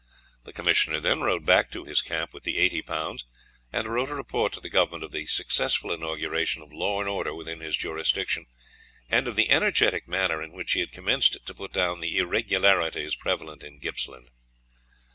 The commissioner then rode back to his camp with the eighty pounds, and wrote a report to the Government of the successful inauguration of law and order within his jurisdiction, and of the energetic manner in which he had commenced to put down the irregularities prevalent in Gippsland.